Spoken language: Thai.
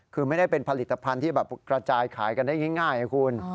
คือไม่ได้เป็นผลิตภัณฑ์ที่แบบกระจายขายกันได้ง่ายนะคุณ